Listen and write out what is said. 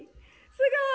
すごい！